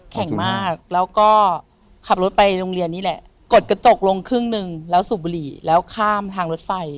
แข็งมากแล้วก็ขับรถไปโรงเรียนนี่แหละกดกระจกลงครึ่งหนึ่งแล้วสูบบุหรี่แล้วข้ามทางรถไฟ